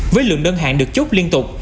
với lượng đơn hàng được chốt liên tục